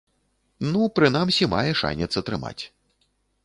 Ну, прынамсі, мае шанец атрымаць.